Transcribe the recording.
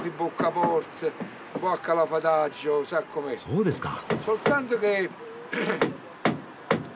そうですか。